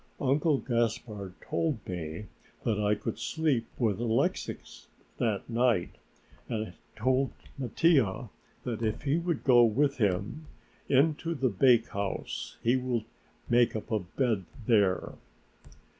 Uncle Gaspard told me that I could sleep with Alexix that night, and told Mattia that if he would go with him into the bakehouse he would make him up a bed there.